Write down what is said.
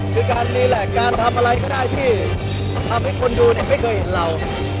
คือการเนละจะทำอะไรคนดูนี้ไม่เคยเห็นเรา